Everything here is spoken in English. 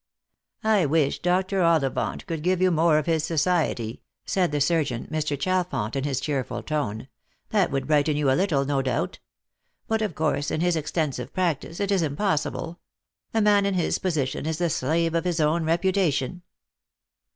"I wish Dr. Ollivant could give you more of his society," said the surgeon, Mr. Chalfont, in his cheerful tone ;" that would brighten you a little, no doubt. But of course, with his exten sive practice, it is impossible ; a man in his position is the slave of his own reputation."